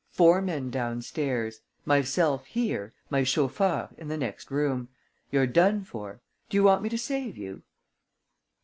Four men downstairs. Myself here, my chauffeur in the next room. You're done for. Do you want me to save you?"